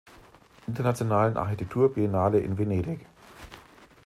Internationalen Architekturbiennale in Venedig.